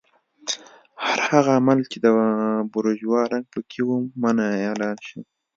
هر هغه عمل چې د بورژوا رنګ پکې و منع اعلان شو.